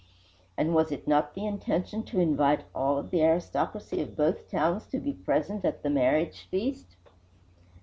And was it not the intention to invite all of the aristocracy of both towns to be present at the marriage feast?